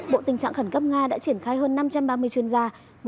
bộ tình trạng khẩn cấp nga đã triển khai hơn năm trăm ba mươi chuyên gia